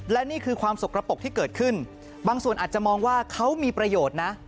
และนี่คือความสกระปกที่เกิดขึ้นบางส่วนอาจจะมองว่าเขามีประโยชน์นะ